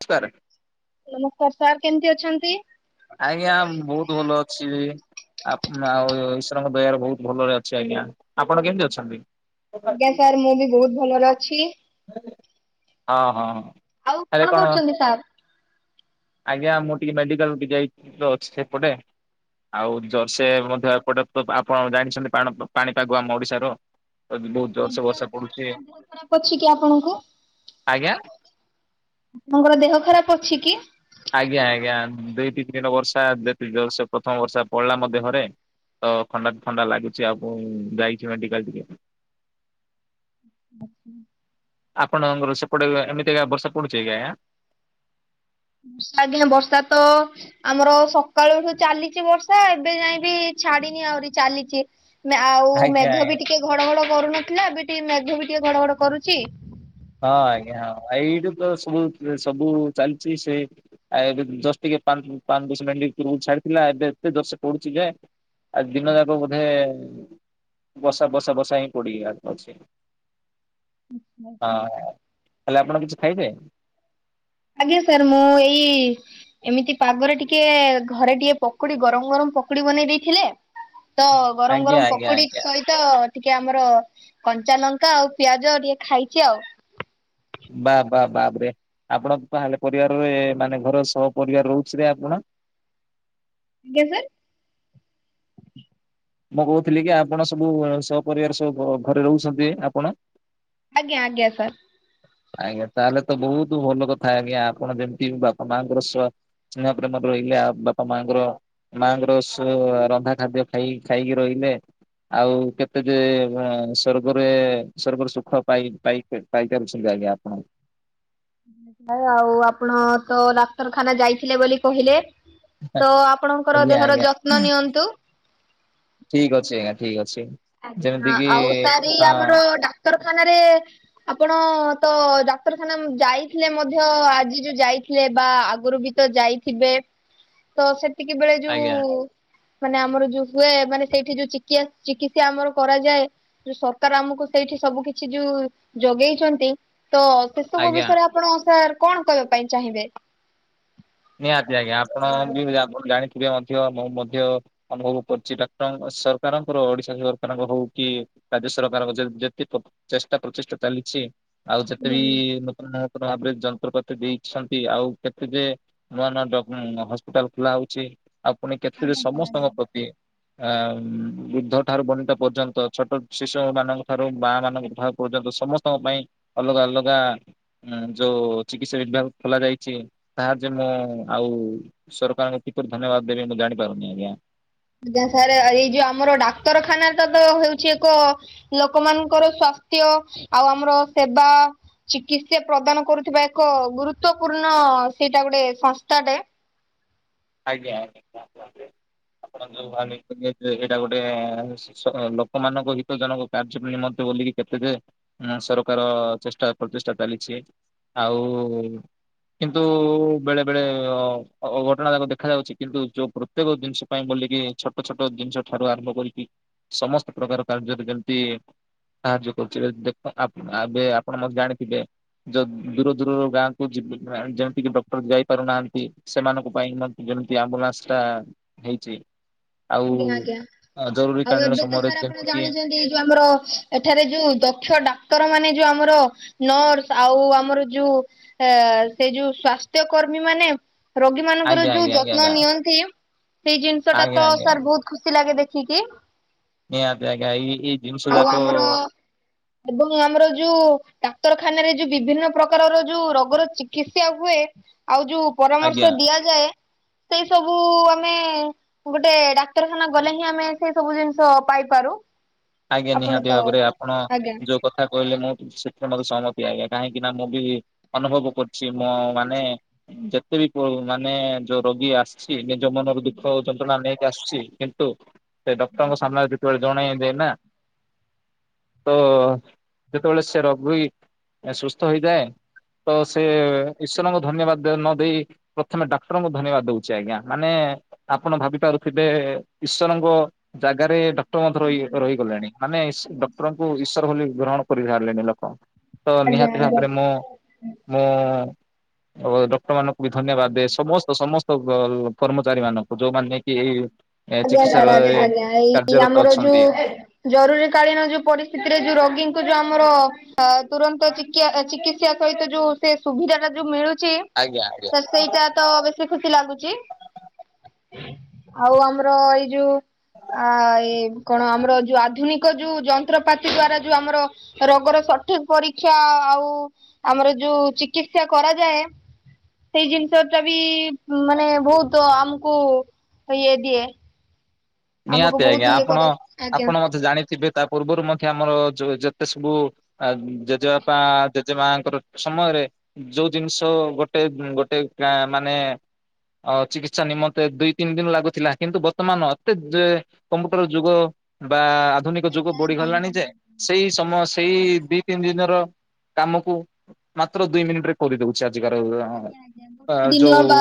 ନମସ୍କାର ନମସ୍କାର ସାର କେମିତି ଅଛନ୍ତି? ଆଜ୍ଞା ବହୁତ ଭଲ ଅଛି। ଆ ଆଉ ଈଶ୍ୱରଙ୍କ ଦୟାରେ ବହୁତ ଭଲରେ ଅଛି ଆଜ୍ଞା, ଆପଣ କେମିତି ଅଛନ୍ତି? ଆଜ୍ଞା ସାର୍ ମୁଁ ବି ବହୁତ ଭଲରେ ଅଛି। ହଁ ହଁ। ଆଉ କଣ କରୁଛନ୍ତି ସାର୍? ଆଜ୍ଞା ମୁଁ ଟିକେ ମେଡିକାଲ ଡିକେ ଇ ଅଛି ଏପଟେ। ଆଉ ଜରସେ ମଧ୍ୟ ଏପଟେ ତ ଆପଣ ଜାଣିଛନ୍ତି, ଵାଣ ପାଣିପାଗ ଆମ ଓଡିଶାର। ବହୁତ ଜୋରସେ ବର୍ଷା ପଡୁଛି। [unintelligible] ପଣଙ୍କର ଆଜ୍ଞା ଦେହ ଖରାପ ଅଛି କି? ଆଜ୍ଞା ଆଜ୍ଞା, ଦି ତିନି ଦିନ ବର୍ଷା ଯେତିକି ଜୋରସେ ପ୍ରଥମ ବର୍ଷା ପଡିଲା ମୋ ଦେହରେ। ତ ଥଣ୍ଡା ଥଣ୍ଡା ଲାଗୁଛି, ଆଉ ଯାଇଛି ମେଡିକାଲ ଟିକେ। ଆଛା। ଆପଣଙ୍କର ସେପଟରେ ଏମିତିକା ବର୍ଷା ପଡୁଛି କି ଆଜ୍ଞା? ଆଜ୍ଞା ବର୍ଷା ତ ଆମର ସକାଳୁଠୁ ଚାଲିଛି ବର୍ଷା ଏବେ ଯାଏବି ଛାଡିନି। ତେ ଆହୁରି ଚାଲିଛି। ମାନେ ଆଉ ଆଜ୍ଞା ଆଜ୍ଞା ମେଘ ବି ଟିକେ ଘଡଘଡ କରୁନଥିଲା, ଏବେ ଟିକେ ମେଘ ବି ଟିକେ ଘଡଘଡ କରୁଛି। ହଁ ଆଜ୍ଞା, ଏଇଠୁ ତ ସବୁ ସବୁ ଚାଲିଛି ସେ ଆଏ ଦଶଟ ପା ପାଞ୍ଚ ଦଶ ମିନଟ୍ ଭିତରକୁ ଛାଡିଥିଲା, ଏବେ ଏତେ ଦରଷେ ପଡୁଛି ଯେଏ। ଆଜି ଦିନ ଯାକ ବୋଧେ ବସା ବସା ବସା ହିଁ ପଡି ଅଛି। ଆଛା ଆଛା। ତାଲେ ଆପଣ କିଛି ଖାଇବେ? ଆଜ୍ଞା ସାର୍ ମୁଁ ଏଇ ଏମିତି ପାଗରେ ଟିକେ ଘରେ ଟିକେ ପକୋଡି ଗରମ ଗରମ ପକୋଡି ବନେଇ ଦେଇଥିଲେ। ତ ଗରମ ଆଜ୍ଞା ଗରମ ଆଜ୍ଞା ପକୋଡି ଆଜ୍ଞା ସହିତ ଟିକେ ଆମର କଞ୍ଚା ଲଙ୍କା ଆଉ ପିଆଜ ଟିକେ ଖାଇଛି ଆଉ। ବା ବା ବାପରେ ଆପଣ ତାହେଲେ ପରିବାରରେ ମାନେ ଘର ସହ ପରିବାର ରହୁଛି ରେ ଆପଣ? ଆଜ୍ଞା ସାର୍। ମୁଁ କହୁଥିଲି କି ଆପଣ ସବୁ ସପରିବାର ସବୁ ଘରେ ରହୁଛନ୍ତି ଆପଣ? ଆଜ୍ଞା ଆଜ୍ଞା ସାର୍। ଆଜ୍ଞା ତାହେଲେ ତ ବହୁତ ଭଲ କଥା ଆଜ୍ଞା ଆପଣ ଯେମିତି ବାପା ମାଆଙ୍କର ସେବା ସ୍ନେହ ପ୍ରେମରେ ରହିଲେ ଆଉ ବାପା ମାଙ୍କର ମାଆଙ୍କର ସେ ରନ୍ଧା ଖାଦ୍ୟ ଖାଇ ଖାଇକି ରହିଲ ଲେ। ଆଉ କେତେ ଯେ ସର୍ଗରେ ସର୍ଗର ସୁଖ ପାଇ ପାଇ ପାଇତେ ସେଇବାଗିଆ ଆପଣଙ୍କୁ ଆଉ ଆପଣ ତ ଡାକ୍ତରଖାନା ଯାଇଥିଲେ ବୋଲି କହିଲେ। ତ ଆପଣଙ୍କର ଆଜ୍ଞା ଦେହର ଆଜ୍ଞା ଯତ୍ନ ନିଅନ୍ତୁ। ଠିକ ଅଛି ଆଜ୍ଞା ଠିକ ଅଛି। ଆଜ୍ଞା ଯେମିତି ହଁ, କିି ଆଉ ସାର ଇଏ ହଁ ଆମର ଡାକ୍ତର ତାନାରେ ଆପଣ ତ ଡାକ୍ତରଖାନା ଯାଇଥିଲେ ମଧ୍ୟ ଆଜି ଯୋଉ ଯାଇଥିଲେ। ସେ ବା ଆଗରୁ ବି ତ ଯାଇଥିବେ ତ ସେ ତିକ ବେଳେ ଯୋଉ ଆଜ୍ଞା ମାନେ ଆମର ଯୋଉ ହୁଏ ମାନେ ସେଇଠି ଯୋଉ ଚିକେ ଚିକି ସେ ଆମର କରାଯାଏ, ଯୋଉ ସରକାର ଆମକୁ ସେଇଠି ସବୁ କିଛି ଯୋଉ ଯୋଗେଇଛନ୍ତି। ତ ସେ ସବୁ ଆଜ୍ଞା। ବିଷୟରେ ଆପଣ ସାର୍ କଣ କହିବା ପାଇଁ ଚାହିଁବେ? ନିହାତି ଆଜ୍ଞା ଆପଣ ବି ଆପଣ ଜାଣିଥିବେ ମଧ୍ୟ ମୁଁ ମଧ୍ୟ ଅନୁଭବ କରୁଛି ଡକ୍ଟର ଙ୍କ ସରକାରଙ୍କର ଓଡିଶା ସରକାରଙ୍କ ହଉ କି ରାଜ୍ୟ ସରକାରଙ୍କ ଯେ ଯେତେ ଚେଷ୍ଟା ପ୍ରଚେଷ୍ଟା ଚାଲିଛି। ଆଉ ଯେତେ ଆଜ୍ଞା ବି ନୂତନ ନୂତନ ଭାବରେ ଯନ୍ତ୍ରପାତି ଦେଇଛନ୍ତି ଆଉ କେତେ ଯେ ନୂଆ ନୂଆ ଜ ହସ୍ପିଟାଲ ଖୋଲା ହଉଛି ଆଉ ପୁଣି କେତ ସମସ୍ତଙ୍କ ଆଜ୍ଞା। ପ୍ରତି ଅ ବୁଦ୍ଧ ଠାରୁ ବନିତା ପର୍ଯ୍ୟନ୍ତ ଛୋଟ ଶିଶୁ ମାନଙ୍କ ଠାରୁ ମା ମାନଙ୍କ ଠାରୁ ନ୍ତ ସମସ୍ତଙ୍କ ପାଇଁ ଅଲଗା ଅଲଗା ଯୋଉ ଚିକିତ୍ସା ବିଭାଗ ଖୋଲା ଯାଇଛି ତାହା ଯେ ମୁଁ ଆଉ ସରକାରଙ୍କୁ କିପରି ଧନ୍ୟବାଦ ଦେବି ମୁଁ ଜାଣିପାରୁନି ଆଜ୍ଞା। ଆଜ୍ଞା ସାର୍ ଏଇ ଯୋଉ ଆମର ଡାକ୍ତରଖାନା ତ ତ ହଉଛି ଏକ ଲୋକମାନଙ୍କର ସ ସ୍ୱସ୍ଥ୍ୟ ଆଉ ଆମର ସେବା ଚିକିତ୍ସା ପ୍ରଦାନ କରୁଥିବା ଏକ ଗୁରୁତ୍ୱପୂର୍ଣ୍ଣ ହଁ ସେଇଟା ଗୋଟେ ସଂସ୍ଥାଟେ। ଆଜ୍ଞା ଆଜ୍ଞା। [unintelligible] ଏଇଟା ଗୋଟେ ସରକାର ଚେଷ୍ଟା ପ୍ରଚେଷ୍ଟା ଚାଲିଛି ଆଉ କିନ୍ତୁ ବେଳେ ବେଳେ ଅ ଅଘ ଘଟଣାକ ଦେଖା ଯାଉଛି କିନ୍ତୁ ଯୋଉ ପ୍ରତ୍ୟେକ ଜିନିଷ ପାଇଁ ବୋଲିକି ଛୋଟ ଛୋଟ ଜିନିଷ ଠାରୁ ଆରମ୍ଭ କରିକି ସମସ୍ତ ପ୍ରକାର କାର୍ଯ୍ୟରେ ଯେମିତି ସାହାଯ୍ୟ କରୁଛି ଦେଖ ଏବେ ଆପଣ ମତେ ଜାଣିଥିବେ? ଯ ଦୂର ଦୂରରୁ ଗାଁକୁ ଯ ଯେମିତିକି ଡକ୍ଟର ଯାଇ ପାରୁନାହାନ୍ତି ସେମାନଙ୍କୁ ପାଇଁ ଯେମିତି ଆମ୍ବୁଲାନ୍ସ ଟା ହେଇଛି ଆଉ ଆଉ ଜରୁରୀକାଳୀନ ଏବେ ତ ସମୟରେ ସାର୍ ଆପଣ ଯେମିତି କିି ଜାଣିଛନ୍ତି ଯୋଉ ଆମର ଏଠାରେ ଯୋଉ ଦକ୍ଷ ଡାକ୍ତର ମାନେ ଯୋଉ ଆ ଆମର ନର୍ସ ଆଉ ଆମର ଯୋଉ ସେ ଯୋଉ ସ୍ଵାସ୍ଥ୍ୟ କର୍ମୀ ମାନେ ରୋଗୀ ମାନଙ୍କର ଆଜ୍ଞା ଯୋଉ ଆଜ୍ଞା ଆଜ୍ଞା ଯତ୍ନ ଆଜ୍ଞା ନିଅନ୍ତି ସେଇ ଜିନିଷ ଟା ତ ଆଜ୍ଞା ସାର୍ ବହୁତ ଖୁସି ଲାଗେ ଦେଖିକି ନପଗଇ ଏଇ ଜିିନ ଆଉ ସୁଧା କ ଆମର ଏବଂ ଆମର ଯୋଉ ଡାକ୍ତରଖାନାରେ ଯୋଉ ବିଭିନ୍ନ ପ୍ରକାରର ଯୋଉ ରୋଗର ଚିକିତ୍ସା ହୁଏ ଆଉ ଯୋଉ ଆଜ୍ଞା ପରାମର୍ଶ ଦିଆଯାଏ ସେଇ ସବୁ ଆମେ ଗୋଟେ ଡାକ୍ତରଖାନା ଗଲେ ହିଁ ଆମେ ସେଇ ସବୁ ଜିନିଷ ପାଇପାରୁ ଆଜ୍ଞା ଆପଣ ନିହାତି ତ ଭାବରେ ଆପଣ ଯୋଉ କଥା କହିଲେ ମୁଁ ମତେ ସହମତି ଆଜ୍ଞା କାହିଁକି ନା ମୁଁ ବି ଅନୁଭବ କରୁଛି ମୋ ମାନେ ଯେତେ ବି ମାନେ ଯୋଉ ରୋଗୀ ଆସ ଛି ନିଜ ମନରୁ ଦୁଃଖ ଯନ୍ତ୍ରଣା ନେଇକି ଆସିଛି କିନ୍ତୁ ସେ ଡକ୍ଟରଙ୍କ ସାମ୍ନାରେ ଯେତେବେଳେ ଜଣେଇ ଦେ ନା ତ ଯେତେବେଳେ ସେ ରୋଗ ବି ସୁସ୍ଥ ହେଇଯାଏ। ତ ସେ ଈଶ୍ଵରଙ୍କୁ ଧନ୍ୟବାଦ ନ ଦେଇ ପ୍ରଥମେ ଡାକ୍ତରଙ୍କୁ ଧନ୍ୟବାଦ ଦଉଛି ଆଜ୍ଞା ମାନେ ଆପଣ ଭାବି ପାରୁଥିବେ ଈଶ୍ୱରଙ୍କ ଜାଗାରେ ର ରହିଗଲେଣି ମାନେ ଡକ୍ଟରଙ୍କୁ ଈଶ୍ୱର ବୋଲି ଗ୍ରହଣ କରିସାରିଲେଣି ଲୋକ ତ ନିହାତି ଭାବରେ ମୁଁ, ମୁଁ ଡକ୍ଟର ମାନଙ୍କୁ ବି ଧନ୍ୟବାଦ ଦେ ସମସ୍ତ ସମସ୍ତ କର୍ମଚାରୀ ମାନଙ୍କୁ ଯୋଉମାନୋନ କି ଏଇ ଆଜ୍ଞା ସାରା ଚିକିତ୍ସାଳୟରେ ଆଜ୍ଞା ଏଇ କାର୍ଯ୍ୟରତ ଆମର ଅଛନ୍ତି ଯୋଉ ଜରୁରୀ କାଳୀନ ଯୋଉ ପରିସ୍ଥିତିରେ ଯୋଉ ରୋଗୀଙ୍କୁ ଯୋଉ ଆମର ତୁରନ୍ତ ଚିକିତ୍ସା ସହିତ ଯୋଉ ସେ ସୁବିଧା ଟା ଯୋଉ ମିଳୁଛି ଆଜ୍ଞା ଆଜ୍ଞା। ସେଇଟା ତ ବେଶୀ ଖୁସି ଲାଗୁଛି। ଆଉ ଆମର ଏଇ ଯୋଉ ଆ ଏଇ କଣ ଆମର ଯୋଉ ଆଧୁନିକ ଯୋଉ ଯନ୍ତ୍ରପାତି, ଦ୍ଵାରା ଯୋଉ ଆମର ରୋଗର ସଠିକ ପରୀକ୍ଷା ଆଉ ଆମର ଯୋଉ ଚିକିତ୍ସା କରାଯାଏ। ସେଇ ଜିନିଷ ଟା ବି ମାନେ ବହୁତ ଆମକୁ ଇଏ ଦିଏ। ଆମକୁ ନିହାତି ବହୁତ ଆଜ୍ଞା ଇଏ ଆପଣ କରେ। ଆପଣ ମତେ ଜାଣିଥିବେ ତା ପୂର୍ବରୁ ମଧ୍ୟ ଆମର ଯେତେ ସବୁ ଜେଜେବାପା ଜେଜେ ମାଙ୍କର ସମୟ ଯୋଉ ଜିନିଷ ଗୋଟେ ଗୋଟେ ଗାଁ ମାନେ ଅ ଚିକିତ୍ସା ନିମନ୍ତେ ଦୁଇ ତିନି ଦିନ ଲାଗୁଥିଲା କିନ୍ତୁ ବର୍ତ୍ତମାନ କମ୍ପ୍ୟୁଟର ଯୁଗ ବା ଆଧୁନିକ ଯୁଗ ବଢିଗଲାଣି ଯେ ସେଇ ସମୟ ସେଇ ଦି ତିନି ଦିନର କାମକୁ ମାତ୍ର ଦୁଇ ମିନିଟ ରେ କରିଦଉଛି ଆ ଆ ଗୋଟେ ଦିନ ବା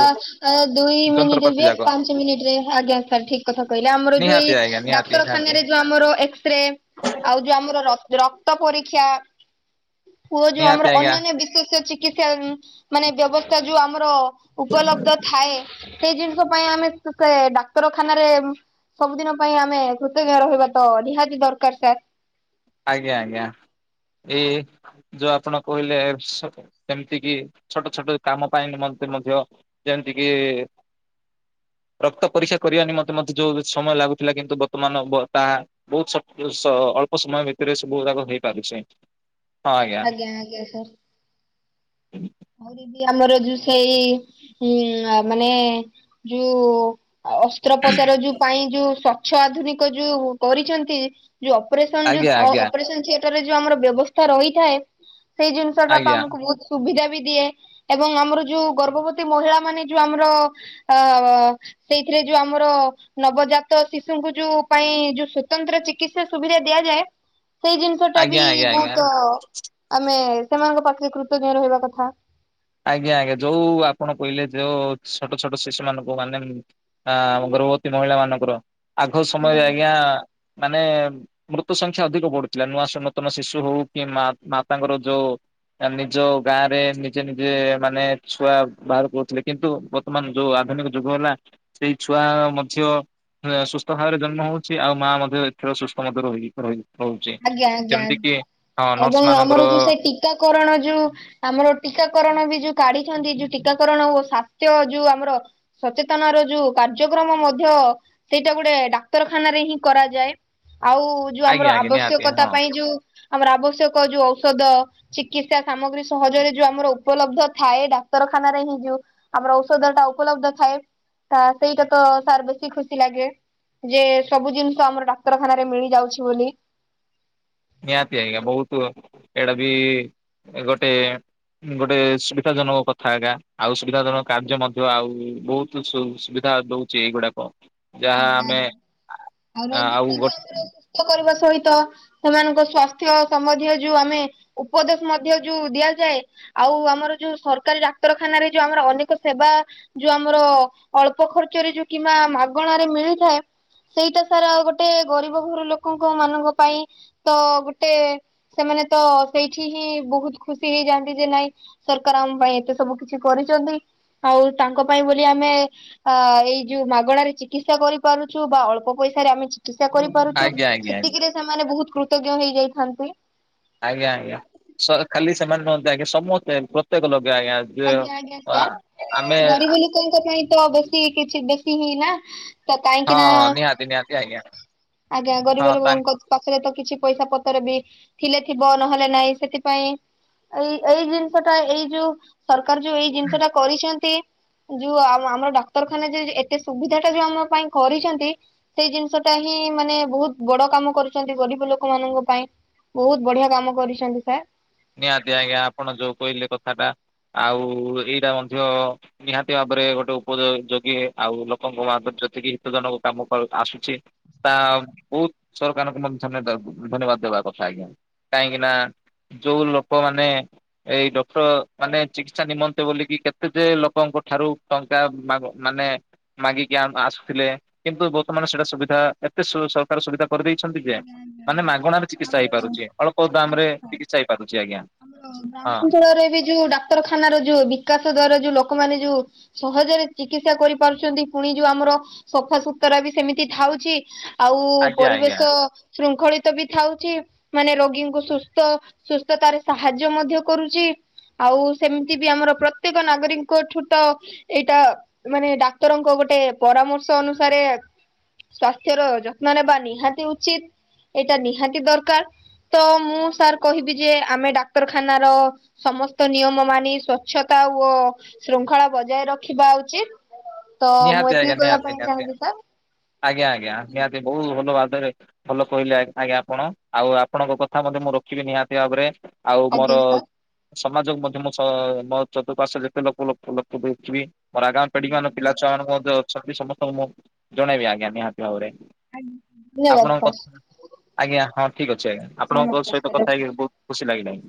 ଦୁଇ ଯନ୍ତ୍ରପାତି ମିନିଟ ଯାକ ପାଞ୍ଚ ମିନିଟରେ ଆଜଞା ସାର୍ ଠିକ କଥା କହିଲା ଆମର ଯୋଉ ନିହାତି ଏଇ ଆଜ୍ଞା ନିହାତି ନିହାତି ଡାକ୍ତରଖାନାରେ ଯୋଉ ଆମର ଏକ୍ସ ରେ ଆଉ ଯୋଉ ଆମର ରକ୍ତ ପରୀକ୍ଷା ପୁଅ ଯୋଉ ନିହାତି ଆମର ଆଜ୍ଞା ଅନ୍ୟାନ୍ୟ ବିଶେଷ ଚିକିତ୍ସା ମାନେ ବ୍ୟବସ୍ଥା ଯୋଉ ଆମର ଉପଲବଧ ଥାଏ। ସେଇ ଜିନିଷ ପାଇଁ ଆମେ ସେ ଡାକ୍ତରଖାନାରେ ସବୁଦିନ ପାଇଁ ଆମେ କୃତଜ୍ଞ ରହିବା ତ ନିହାତି ଦରକାର ସାର୍ ଆଜ୍ଞା ଆଜ୍ଞା। ଏଇ ଯୋଉ ଆପଣ କହିଲେ ଯେମିତି କି ଛୋଟ ଛୋଟ କାମ ପାଇଁ ମଧ୍ୟ ମଧ୍ୟ ଯେମିତି କି ରକ୍ତ ପରୀକ୍ଷା କରିବା ନିମନ୍ତେ ମଧ୍ୟ ଯୋଉ ସମୟ ଲାଗୁଥିଲା କିନ୍ତୁ ବର୍ତ୍ତମାନ ତାହା ବହୁତ ଅଳ୍ପ ସମୟ ଭିତରେ ସବୁୁୁରାକ ହେଇପାରୁଛି। ଆଜ୍ଞା ଆଜ୍ଞା ସାର। ଆମର ଯୋଉ ସେଇ ମାନେ ଯୁ ଅସ୍ତ୍ରୋପଚାର ଯୁ ପାଇଁ ଯୁ ସ୍ଵଚ୍ଛ ଆଧୁନିକ ଯୁ କରିଛନ୍ତି। ଯୁ ଅପରେସନ ଆଜ୍ଞା ଯୋଉ ଆଜ୍ଞା ଅପରେସନ ଥିଏଟର ରେ ଯୋଉ ଆମର ବ୍ୟବସ୍ଥା ରହିଥାଏ। ସେଇ ଜିନିଷଟା ଆଜ୍ଞା ତମକୁ ବହୁତ ସୁବିଧା ବି। ଦିଏ ଏବଂ ଆମର ଯୋଉ ଗର୍ଭବତୀ ମହିଳା ମାନେ ଯୁ ଆମର ଅ ସେଇଥିରେ ଯୁ ଆମର ନବଜାତ ଶିଶୁଙ୍କୁ ଯୁ ପାଇଁ ଯୁ ସ୍ଵତନ୍ତ୍ର ଚିକିତ୍ସା ସୁବିଧା ଦିଆଯାଏ। ସେଇ ଜିନିଷ ଟା ବି ଆଜ୍ଞା ଆଜ୍ଞା ଆଜ୍ଞା। ବହୁତ ଆମେ ସେମାନଙ୍କ ପାଖରେ କୃତଜ୍ଞ ରହିବା କଥା। ଆଜ୍ଞା ଆଜ୍ଞା ଯୋଉ ଆପଣ କହିଲେ ଯୋଉ ଛୋଟ ଛୋଟ ଶିଶୁ ମାନଙ୍କୁ ମାନେ ଗର୍ଭବତୀ ମହିଳା ମାନଙ୍କର ଆଗ ସମୟରେ ଆଜ୍ଞା ମାନେ ମୃତୁ ସଂଖ୍ୟା ଅଧିକ ବଢୁଥିଲା ନୂଆ ନୂତନ ଶିଶୁ ହଉ କି ମାତାଙ୍କର ଯୋଉ। ନିଜ ଗାଁ ରେ ନିଜେ ନିଜେ ମାନେ ଛୁଆ ବାହାର କରୁଥିଲେ କିନ୍ତୁ ବର୍ତ୍ତମାନ ଯୋଉ ଆଧୁନିକ ଯୁଗ ହେଲା ସେଇ ଛୁଆ ତା ମଧ୍ୟ ସୁସ୍ଥ ଭାବରେ ଜନ୍ମ ହଉଛି ଆଉ ମା ମଧ୍ୟ ଏଥିରେ ସୁସ୍ଥ ମଧ୍ୟ ରହି ରହି ଆଜ୍ଞା ଆଜ୍ଞା ଆ ନର୍ସ ଏବଂ ମାନଙ୍କର ଆମର ଯୋଉ ସେ ଟିକାକରଣ ଯୁ ଆମର ଟିକା କରଣ ବି ଯୁ କାଢିଛନ୍ତି ଯୋଉ ଟିକାକରଣ ଓ ସାସ୍ଥ୍ୟ ଯୁ ଆମର ସଚେତନ ର ଯୁ କାର୍ଯ୍ୟ କ୍ରମ ମଧ୍ୟ ସେଇଟା ଗୋଟେ ଡାକ୍ତରଖାନ ହିଁ କରାଯାଏ। ଆଉ ଯୁ ଆଜ୍ଞା ଆମର ଆଜ୍ଞା ନିହାତି ଆବଶ୍ୟକତା ହଁ। ପାଇଁ ଯୁ ଆମର ଆବଶ୍ୟକ ଯୁ ଔଷଧ ଚିକିତ୍ସା ସାମଗ୍ରୀ ସହଜରେ ଯଉ ଆମର ଉପଲବ୍ଧ ଥାଏ ଡାକ୍ତରଖାନାରେ ହିଁ ଯୁ ଆମର ଔଷଧ ଟା ଉପଲବ୍ଧ ଥାଏ। ତ ସେଇଟା ତ ସାରେ ଖୁସି ଲାଗେ। ଯେ ସବୁ ଜିନିଷ ଆମର ଡାକ୍ତରଖାନାରେ ମିଳି ଯାଉଛି ବୋଲି। ନିହାତି ଆଜ୍ଞା ବହୁତ ଏଇଟା ବି ଗୋଟେ ଗୋଟେ ସୁବିଧା ଜନକ କଥା ଆଜ୍ଞା ଆଉ ସୁବିଧା ଜନକ କାର୍ଯ୍ୟ ମଧ୍ୟ ଆଉ ବହୁତୁ ଧା ଦଉଛି ଏଇଗୁଡାକ। ଯାହା ଆମେ ଆଉ ରବି ଯ ଆମର। [unintelligible] ସହିତ ସେମାନଙ୍କ ସ୍ୱସ୍ଥ୍ୟ ସମ୍ବନ୍ଧୀୟ ଯୁ ଆମେ ଉପଦେଶ ମଧ୍ୟ ଯୁ ଦିଆଯାଏ। ଆଉ ଆମର ଯୁ ସରକାରୀ ଡାକ୍ତରଖାନାରେ ଯୁ ଆମର ଅନେକ ସେବା ଯୋଉ ଆମର ଅଳ୍ପ ଖ ଖର୍ଚରେ ଯୁ କିମ୍ବା ମାଗଣାରେ ମିଳିଥାଏ। ସେଇଟା ସାରେ ଗୋଟେ ଗରିବ ଘର ଲୋକଙ୍କ ମାନଙ୍କ ପାଇଁ ତ ଗୋଟେ ସେମାନେ ମାନେ ତ ସେଇଠି ହିଁ ବହୁତ ଖୁସି ହେଇଯାଆନ୍ତି ଯେ ନାଇଁ ସରକାର ଆମ ପାଇଁ ଏତେ ସବୁ କିଛି କରିଛନ୍ତି। ଆଉ ତାଙ୍କ ପାଇଁ ବୋଲି ଆମେ ଆ ଏଇ ଯୋଉ ମାଗଣାରେ ଚି ଚିକିତ୍ସା କରିପାରୁଛୁ ବା ଅଳ୍ପ ପଇସାରେ ଆମେ ଚିକିତ୍ସା କରିପାରୁଛୁ ଆଜ୍ଞା ଆଜ୍ଞା ଆଜ୍ଞା ସେତିକିରେ ସେମାନେ ବହୁତ୍ କୃତ୍ କୃତଜ୍ଞ ହେଇଯାଇଥାନ୍ତି। ଆଜ୍ଞା ଆଜ୍ଞା ସ ଖାଲି ସେମାନେ ନ ଯାଇକି ସମସ୍ତେ ପ୍ରତ୍ୟେକ ଲୋକ୍ ଆଜ୍ଞା ଆଜ୍ଞା ଆମେ [unintelligible] ଗରିବି ଲୋକଙ୍କ ପାଇଁ ତ ବେଶୀ କିଛି ବେଶୀ ହିନାଁ ତ ହଁ କାଇଁକିନା ହଁ ନିହାତି ନିହାତି ଆଜ୍ଞା ଆଜ୍ଞା ହଁ ଗରିବ ତାଙ୍କ ଲୋକଙ୍କତ୍ ପାଖରେ ତ କିଛି ପଇସା ପତର ବି ଥିଲେ ଥିବ ନହେଲେ ନାଇଁ ସେଥିପାଇଁ ଏଇ ଏଇ ଜିନିଶା ଟା ଏଇ ଯୋଉ ସର କାର ଯୋଉ ଏଇ ଜିନିଶା ଟା କରିଛନ୍ତି। ଯୁ ଆମ ଆମର ଡାକ୍ତରଖାନା ଯୁ ଏତେ ସୁବିଧା ଟା ଯୁ ଆମ ପାଇଁ କରିଛନ୍ତି ସେଇ ଜିନିସଟା ଟା ହିଁ ମାନେ ବହୁତ୍ ବଡ଼ କାମ କରୁଛନ୍ତି ଗରିବ ଲୋକ ମାନଙ୍କ ପାଇଁ। ବହୁତ ବଢ଼ିଆ କାମ କରିଛନ୍ତି ସାର୍। ନିଆତି ଆଜ୍ଞା ଆପଣ ଯୁ କହିଲେ କଥାଟା। ଆଉ ଏଇଟା ମଧ୍ୟ ନିହାତି ଭାବରେ ଗୋଟେ ଉପଯୋ ଯୋଗୀ ଆଉ ଲୋକଙ୍କ [unintelligible] ଯେତିକି ହିତ ଜନକ କାମ ପର ଆସୁଛି ତା ବହୁତ୍ ସରକାରଙ୍କୁ ମଧ୍ୟ [unintelligible] ଦେବାକୁ ଧନ୍ୟବାଦ। ଦବା କଥା ଆଜ୍ଞା କାଇଁକିନା ଯୋଉ ଲୋକମାନେ ଏଇ ଡକ୍ଟର୍ ମାନେ ଚିକିତ୍ସା ନିମନ୍ତେ ବୋଲିକି କେତେ ଯେ ଲୋକଙ୍କଠୁ ଠାରୁ ଟଙ୍କା ମାଗ୍ ମାନେ ମାଗିକି ଆମ୍ ଆସୁଥିଲେ କିନ୍ତୁ ବର୍ତ୍ତମାନ ସେଇଟା ସୁବିଧା ଏତେ ସୁ ସରକାର ସୁବିଧା କରିଦେଇଛନ୍ତି ପେମ୍ ମାନେ ମାଗଣାରେ ଚିକିତ୍ସା ହେଇପାରୁଚେ ଅଳ୍ପ ଦାମ ରେ [inaudible] ଚିକିତ୍ସା ହେଇପାରୁଛି ଆଜ୍ଞା ହଁ ଅଞ୍ଚଳରେ ବି ଯୋଉ ଡାକ୍ତରଖାନାର ଯୋଉ ବିକାଶ ଦ୍ଵାରା ଯୋଉ ଲୋକ ଲୋକ ମାନେ ଯୋଉ ସହଜରେ ଚିକିତ୍ସା କରିପାରୁଛନ୍ତି ପୁଣି ଯୋଉ ଆମର ସଫାସତୁରା ବି ସେମିତି ଥାଉ। ଛି ଆଉ ଆଜ୍ଞା ଆଜ୍ଞା ପରିବେଶ ଶୃଙ୍ଖଳିତ ବି ଥାଉଛି ମାନେ ରୋଗୀଙ୍କୁ ସୁସ୍ଥ ସୁସ୍ଥ ତାର ସାହାଯ୍ୟ ମଧ୍ୟ କରୁଛି। ଆଉ ସେମିତି ବି ଆମର ପ୍ରତ୍ୟେକ ନାଗରିଙ୍କ ଠୁ ତ ଏଇଟା ମାନେ ଡାକ୍ତରଙ୍କ ଗୋଟେ ପରାମର୍ଶ ଅନୁସାରେ ସ୍ୱାସ୍ଥ୍ୟର ଯତ୍ନ ନେବା ନିହାତି ଉ ଉଚିତ୍ ଏଇଟା ନିହାତି ଦରକାର୍। ତ ମୁଁ ସାର୍ କହିବି ଯେ ଆମେ ଡାକ୍ତରଖାନାର ସମସ୍ତ ନିୟମ ମାନି ସ୍ଵଚ୍ଛତା ଆଉ ୱ ଶୃଙ୍ଖଳା ବଜାୟ ରଖିବା ଉଚିତ୍। ତ ମୁଁ ନିହାତି ଆଜ୍ଞା ଏତିକି କହିଁବା ନିହାତି ପାଇଁ ନିହାତି ଚାହିଁଲି ତ ଆଜ୍ଞା ଆଜ୍ଞା ନିହାତି ବହୁତ୍ ବୋଲ ବାଦରେ ବୋଲ କହିଲେ ଆ ଆଜ୍ଞା ଆପଣ ଆଉ ଆପଣଙ୍କ କଥା ମନେ ମୁଁ ରଖିବି ନିହାତି ଭାବରେ। ଆଉ ମୋର ସମାଜକୁ [unintelligible] ମୋର ଆଗାମ୍ ପେଡିକି ମାନେ ପିଲା ଛୁଆ ମାନଙ୍କୁ ଅଛନ୍ତି ସମସ୍ତଙ୍କୁ ମୁଁ ଜଣେଇବି ଆଜ୍ଞା ନିହାତି ଭାବରେ। ଆପଣଙ୍କ କଥ [unintelligible] ଆଜ୍ଞା ଆ ଠିକ୍ ଅଛି ଆଜ୍ଞା ଆପଣଙ୍କ ଗତ ସହିତ କଥା ହେଇକି ବହୁତ୍ ଖୁସି ଲାଗିଲାଣି।